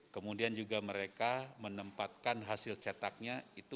kemudian juga mereka menempatkan hasil cetaknya